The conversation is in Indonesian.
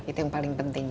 itu yang paling penting